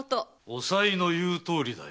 おさいの言うとおりだよ。